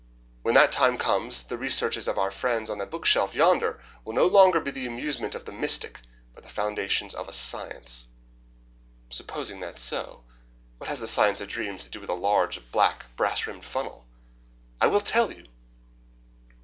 When that time comes the researches of our friends on the bookshelf yonder will no longer be the amusement of the mystic, but the foundations of a science." "Supposing that is so, what has the science of dreams to do with a large, black, brass rimmed funnel?" "I will tell you.